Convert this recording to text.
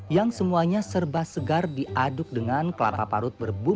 yang semuanya serba segar diaduk dengan kelapa parut berburu